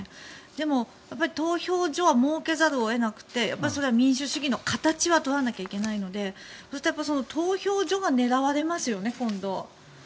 でも、投票所は設けざるを得なくてそれは民主主義の形は取らなきゃいけないのでそうすると今度投票所が狙われますよね